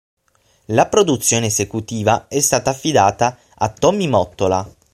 La produzione esecutiva è stata affidata a Tommy Mottola.